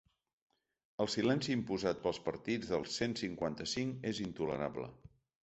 El silenci imposat pels partits del cent cinquanta-cinc és intolerable.